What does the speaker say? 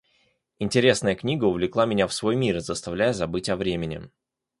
Интересная книга увлекла меня в свой мир, заставляя забыть о времени.